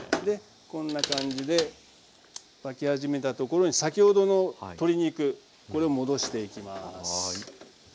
こんな感じで沸き始めたところに先ほどの鶏肉これ戻していきます。